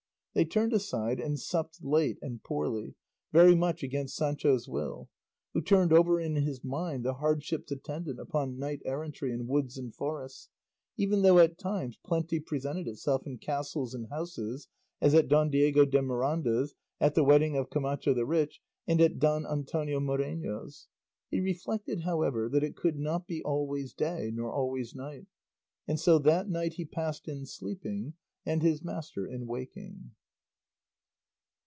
They turned aside, and supped late and poorly, very much against Sancho's will, who turned over in his mind the hardships attendant upon knight errantry in woods and forests, even though at times plenty presented itself in castles and houses, as at Don Diego de Miranda's, at the wedding of Camacho the Rich, and at Don Antonio Moreno's; he reflected, however, that it could not be always day, nor always night; and so that night he passed in sleeping, and his master in waking.